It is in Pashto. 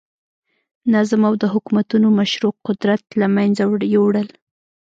نظم او د حکومتونو مشروع قدرت له منځه یووړل.